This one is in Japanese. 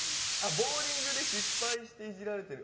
ボウリングで失敗してイジられてる。